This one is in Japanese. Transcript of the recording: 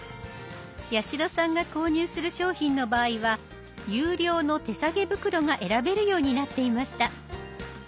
八代さんが購入する商品の場合は有料の手提げ袋が選べるようになっていました。